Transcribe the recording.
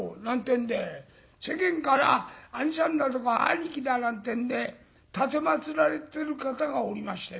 んで世間から「兄さん」だとか「兄貴」だなんてんで奉られてる方がおりまして。